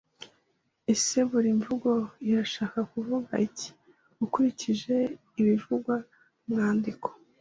Ese buri mvugo irashaka kuvuga iki ukurikije ibivugwa mu mwandiko